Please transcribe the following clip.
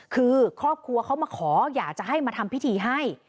คือครอบครัวเขามาขออยากจะให้มาทำพิธีให้